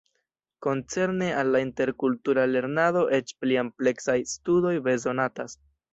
Koncerne al la interkultura lernado eĉ pli ampleksaj studoj bezonatas.